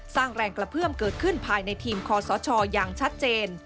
สร้างแรงกระเพื่อมเกิดขึ้นภายในทีมคอสชอย่างชัดเจน